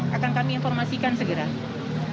sekali lagi lagi proses identifikasi